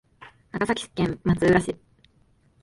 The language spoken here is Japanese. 長崎県松浦市